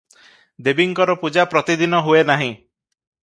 ଦେବୀଙ୍କର ପୂଜା ପ୍ରତିଦିନ ହୁଏ ନାହିଁ ।